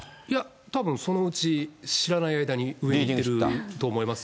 たぶん、そのうち、知らない間に上行ってると思いますよ。